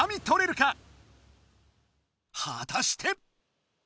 はたして。